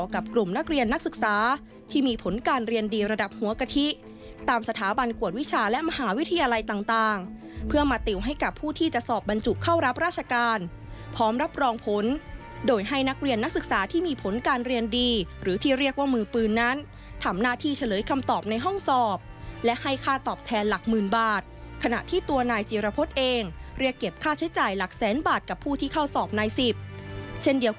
กับหัวกะทิตามสถาบันกวดวิชาและมหาวิทยาลัยต่างเพื่อมาติวให้กับผู้ที่จะสอบบานจุ้งเข้ารับราชการพร้อมรับรองผลโดยให้นักเรียนนักศึกษาที่มีผลการเรียนดีหรือที่เรียกว่ามือปืนนั้นถามหน้าที่เฉลยคำตอบในห้องสอบและให้ค่าตอบแทนหลัก๑๐๐๐๐บาทขณะที่ตัวนายจีรพฤชั้นเองเรีย